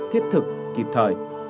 thiết thực kịp thời